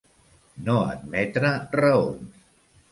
No admetre raons.